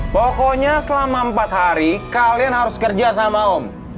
pokoknya selama empat hari kalian harus kerja sama om